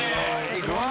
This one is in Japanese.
すごい。